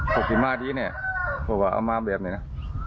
พรุ่งพี่มอดดีกว่าถามแลึงนะ